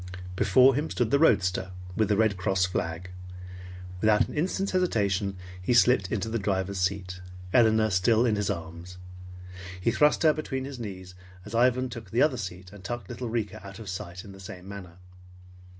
Before him stood the roadster, with the Red Cross flag. Without an instant's hesitation, he slipped into the driver's seat, Elinor still in his arms. He thrust her between his knees, as Ivan took the other seat, and tucked little Rika out of sight in the same manner.